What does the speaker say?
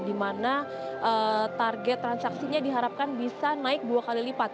di mana target transaksinya diharapkan bisa naik dua kali lipat